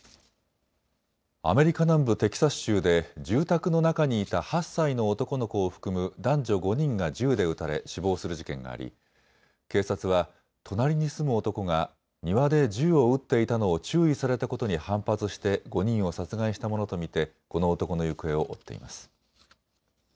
アメリカ南部テキサス州で住宅の中にいた８歳の男の子を含む男女５人が銃で撃たれ死亡する事件があり警察は隣に住む男が庭で銃を撃っていたのを注意されたことに反発して５人を殺害したものと見てこの男の行方を追っています。